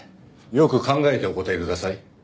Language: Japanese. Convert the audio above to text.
よく考えてお答えください。